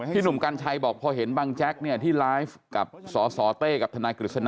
พี่หนุ่มกัญชัยบอกพอเห็นบางแจ๊คเนี่ยที่ไลฟ์กับสสเต้กับทกฤษณะ